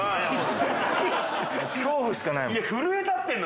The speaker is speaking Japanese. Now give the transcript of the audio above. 恐怖しかないもん。